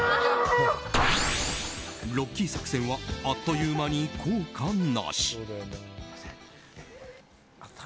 ロッキー作戦はあっという間に効果なし。